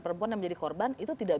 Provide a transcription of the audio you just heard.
perempuan yang menjadi korban itu tidak